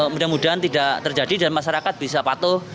mudah mudahan tidak terjadi dan masyarakat bisa patuh